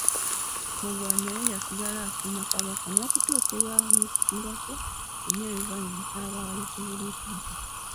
Mugwanya ye yasigala akuuma Kabaka, n'okutuukirwangako byonna ebiva mu ntabaalo ku buli ludda